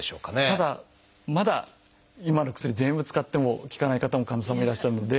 ただまだ今ある薬全部使っても効かない方も患者さんもいらっしゃるので。